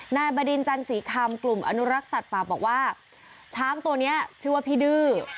บดินจันสีคำกลุ่มอนุรักษ์สัตว์ป่าบอกว่าช้างตัวนี้ชื่อว่าพี่ดื้อ